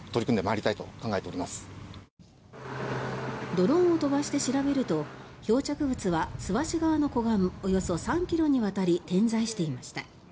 ドローンを飛ばして調べると漂着物は諏訪市側の湖岸およそ３ｋｍにわたり点在していました。